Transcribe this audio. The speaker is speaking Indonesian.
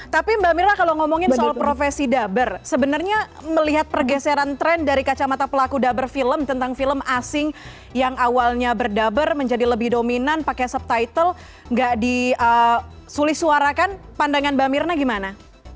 tapi mbak mira kalau ngomongin soal profesi daber sebenarnya melihat pergeseran tren dari kacamata pelaku daber film tentang film asing yang awalnya berdaber menjadi lebih dominan pakai subtitle nggak disulih suarakan pandangan mbak mirna gimana